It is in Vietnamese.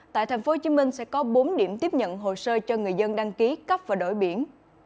tại tp hcm sẽ có bốn điểm tiếp nhận hồ sơ cho người dân đăng ký cấp và đổi biển